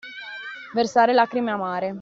Versare lacrime amare.